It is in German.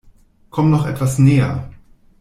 Komm noch etwas näher!